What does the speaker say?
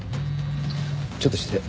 ちょっと失礼。